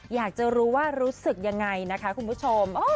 อยากจะรู้ว่ารู้สึกยังไงนะคะคุณผู้ชม